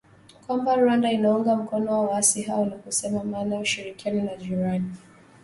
kwamba Rwanda inaunga mkono waasi hao na kusema maana ya ushirikiano na jirani